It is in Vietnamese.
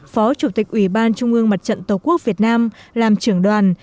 phó chủ tịch ủy ban trung ương mặt trận tổ quốc việt nam làm trưởng đoàn